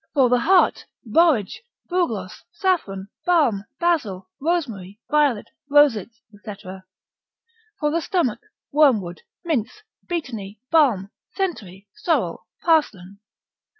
For the heart, borage, bugloss, saffron, balm, basil, rosemary, violet, roses, &c. For the stomach, wormwood, mints, betony, balm, centaury, sorrel, parslan.